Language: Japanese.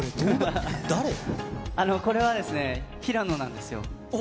これはですね、平野なんですよ。